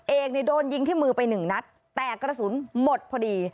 เอกเนี่ยโดนยิงที่มือไปหนึ่งนัดแต่กระสุนหมดพอดี